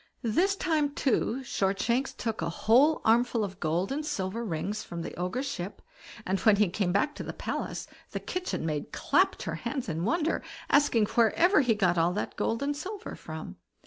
This time, too, Shortshanks took a whole armful of gold and silver rings from the Ogre's ship, and when he came back to the palace the kitchen maid clapped her hands in wonder, asking wherever he got all that gold and silver from.